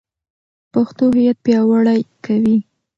پښتو هویت پیاوړی کوي.